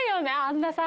あんなさ。